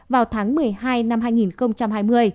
vào tháng một mươi hai năm hai nghìn hai mươi